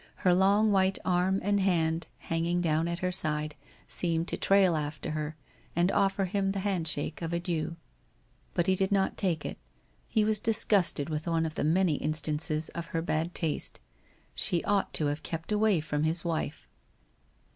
Her long white arm and hand hanging down at her side, seemed to trail after her, and offer him the handshake of adieu. But he did not take it. He was disgusted with one of the many instances of her bad taste. She ought to have kept away from his wife.